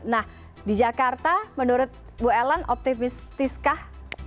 nah di jakarta menurut bu ellen optimistiskah